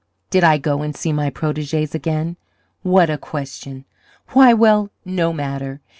"Did I go and see my proteges again? What a question! Why well, no matter.